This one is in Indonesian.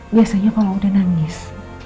biasanya kalau udah nangis